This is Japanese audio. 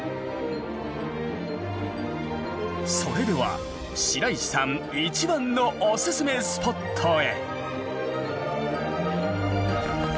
それでは白石さん一番のおすすめスポットへ。